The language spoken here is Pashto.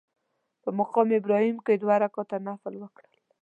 په مقام ابراهیم کې مو دوه رکعته نفل وکړل.